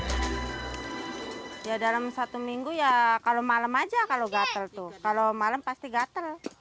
ya dalam satu minggu ya kalau malam aja kalau gatel tuh kalau malam pasti gatel